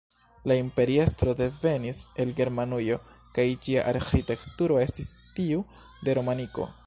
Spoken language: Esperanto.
La imperiestro devenis el Germanujo, kaj ĝia arĥitekturo estis tiu de romaniko.